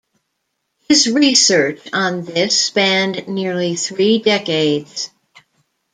His research on this spanned nearly three decades.